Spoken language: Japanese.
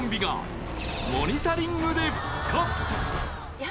いや